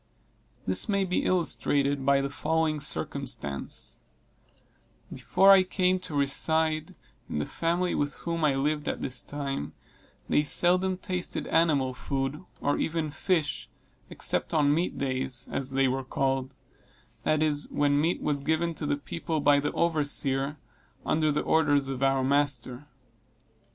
This may be illustrated by the following circumstance: Before I came to reside in the family with whom I lived at this time, they seldom tasted animal food, or even fish, except on meat days, as they were called; that is, when meat was given to the people by the overseer, under the orders of our master.